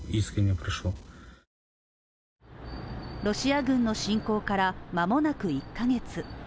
ロシア軍の侵攻から間もなく１カ月。